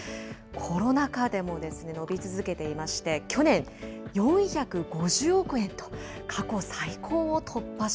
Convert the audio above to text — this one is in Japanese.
コロナ禍でも伸び続けていまして、去年、４５０億円と過去最高を突